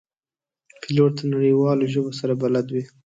پیلوټ د نړیوالو ژبو سره بلد وي.